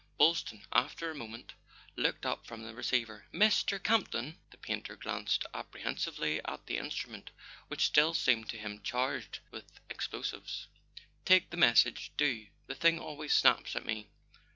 Boylston, after a moment, looked up from the receiver. "Mr. Camp ton!" The painter glanced apprehensively at the instru¬ ment, which still seemed to him charged with explo¬ sives. "Take the message, do. The thing always snaps at me."